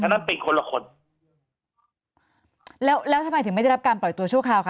นั้นปิดคนละคนแล้วแล้วทำไมถึงไม่ได้รับการปล่อยตัวชั่วคราวค่ะ